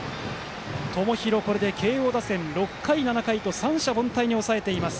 友廣はこれで慶応打線６回、７回と三者凡退に抑えています。